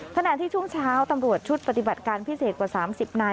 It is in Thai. ขณะที่ช่วงเช้าตำรวจชุดปฏิบัติการพิเศษกว่า๓๐นาย